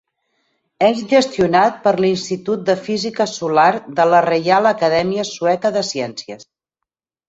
És gestionat per l'Institut de Física Solar de la Reial Acadèmia Sueca de Ciències.